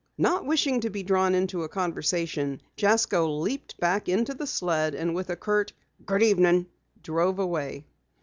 Not wishing to be drawn into a conversation, Jasko leaped back into the sled, and with a curt, "Good evening," drove away.